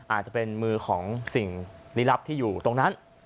อาจจะเป็นมือของสิ่งลี้ลับที่อยู่ตรงนั้น